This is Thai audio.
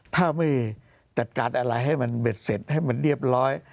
ถ้าไม่จัดการอะไรให้มันเบ็ดเสร็จให้มันเรียบร้อย